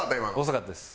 遅かったです。